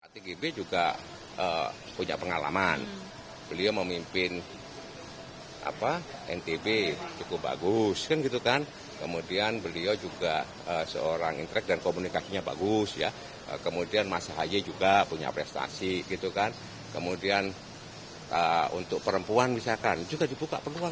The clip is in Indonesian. tgp juga punya pengalaman beliau memimpin ntb cukup bagus kemudian beliau juga seorang intrek dan komunikasinya bagus kemudian mas haye juga punya prestasi kemudian untuk perempuan juga dibuka peluang